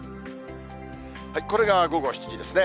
これが午後７時ですね。